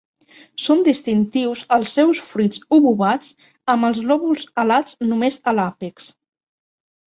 Són distintius els seus fruits obovats amb els lòbuls alats només a l'àpex.